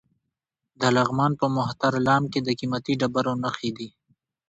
د لغمان په مهترلام کې د قیمتي ډبرو نښې دي.